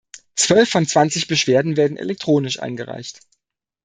Zwölf von zwanzig Beschwerden werden elektronisch eingereicht.